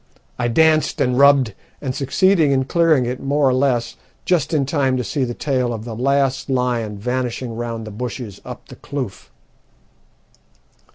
I danced and rubbed, and succeeded in clearing it more or less just in time to see the tail of the last lion vanishing round the bushes up the kloof.